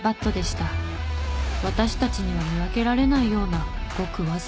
私たちには見分けられないようなごくわずかな差。